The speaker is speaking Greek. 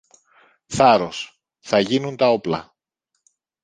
Θάρρος! Θα γίνουν τα όπλα.